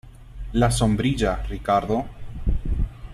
la sombrilla , Ricardo .